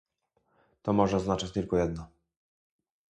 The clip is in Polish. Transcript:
To może oznaczać tylko jedno